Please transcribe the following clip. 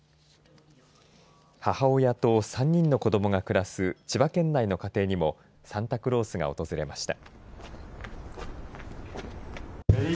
母親と３人の子どもが暮らす千葉県内の家庭にもサンタクロースが訪れました。